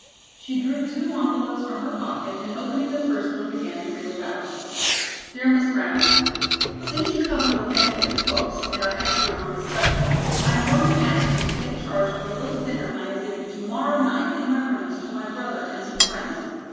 She drew two envelopes from her pocket and opening the first one, began to read aloud: "'DEAR MISS BROWN: "'Since you come of a family of cooks and are expert on the subject, I am going to ask you to take charge of a little dinner I am giving to morrow night in my rooms to my brother and some friends.